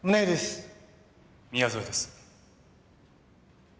宮添です。